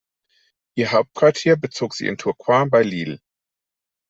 Ihr Hauptquartier bezog sie in Tourcoing bei Lille.